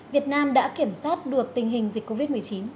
việt nam đã kiểm soát được tình hình dịch covid một mươi chín